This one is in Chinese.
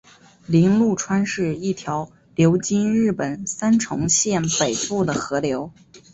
铃鹿川是一条流经日本三重县北部的河流。